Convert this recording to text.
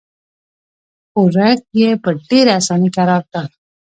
ښورښ یې په ډېره اساني کرار کړ.